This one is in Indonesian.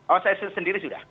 oh saya sendiri sudah